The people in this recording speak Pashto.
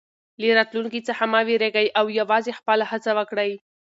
له راتلونکي څخه مه وېرېږئ او یوازې خپله هڅه وکړئ.